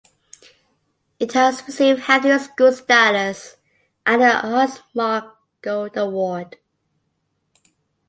It has received Healthy Schools status and the Artsmark Gold award.